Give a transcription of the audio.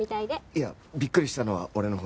いやびっくりしたのは俺のほう。